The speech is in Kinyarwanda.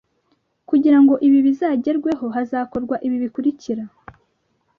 Kugira ngo ibi bizagerweho hazakorwa ibi bikurikira